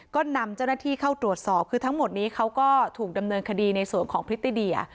ก็นำเจ้าหน้าที่เข้าตรวจสอบคือทั้งหมดนี้เขาก็ถูกดำเนินคดีในส่วนของพริตติเดีย